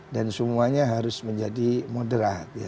dan semuanya harus menjadi moderat ya